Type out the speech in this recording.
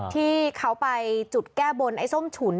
ที่เขาไปจุดแก้บนไอ้ส้มฉุน